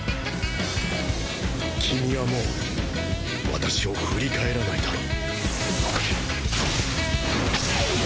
君はもう私を振り返らないだろう